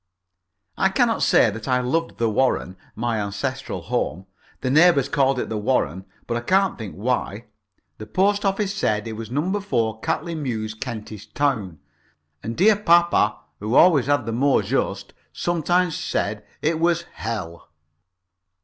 I cannot say that I loved the Warren, my ancestral home. The neighbours called it the Warren, but I can't think why. The Post Office said it was No. 4, Catley Mews, Kentish Town, and dear papa who always had the mot juste sometimes said that it was hell.